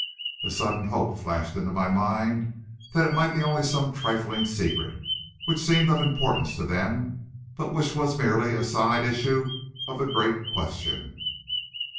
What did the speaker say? A sudden hope flashed into my mind that it might be only some trifling secret, which seemed of importance to them, but which was merely a side issue of the great question.